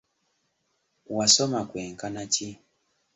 Wasoma kwenkana ki?